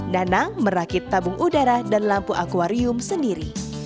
danang merakit tabung udara dan lampu akwarium sendiri